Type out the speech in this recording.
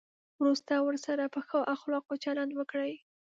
وروسته ورسره په ښو اخلاقو چلند وکړئ.